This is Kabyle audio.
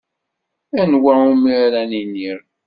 Anwa umi ara iniɣ?